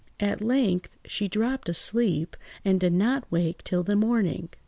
At length she dropped asleep, and did not wake till the morning.